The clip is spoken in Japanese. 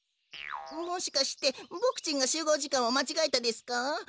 もしかしてボクちんがしゅうごうじかんをまちがえたですか？